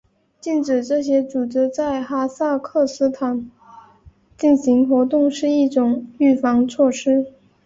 禁止这些组织在哈萨克斯坦进行活动是一种预防措施。